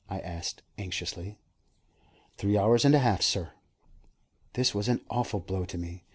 I asked anxiously. "Three hours and a half, sir." This was an awful blow to me.